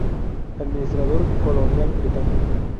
Administrador colonial Británico.